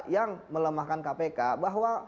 yang melemahkan kpk bahwa